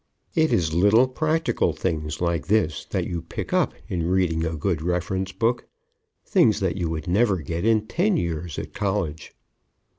It is little practical things like this that you pick up in reading a good reference book, things that you would never get in ten years at college.